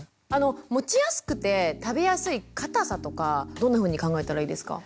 持ちやすくて食べやすい硬さとかどんなふうに考えたらいいですか？